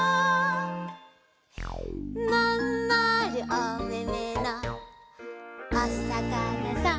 「まんまるおめめのおさかなさん」